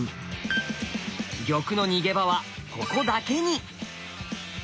玉の逃げ場はここだけに。